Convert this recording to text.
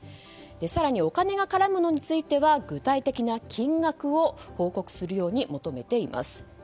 更にお金が絡むことについては具体的な金額を報告するように求めています。